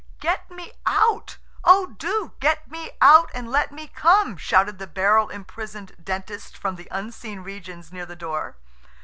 "Get me out! Oh do, do get me out, and let me come!" shouted the barrel imprisoned Dentist from the unseen regions near the door.